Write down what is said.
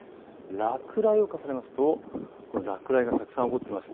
落雷を重ねますと落雷がたくさん起こっています。